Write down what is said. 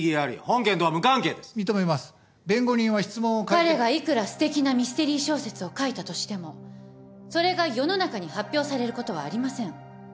彼がいくらすてきなミステリー小説を書いたとしてもそれが世の中に発表されることはありません。